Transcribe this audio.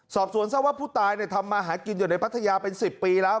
สอบสวนทราบว่าผู้ตายทำมาหากินอยู่ในพัทยาเป็น๑๐ปีแล้ว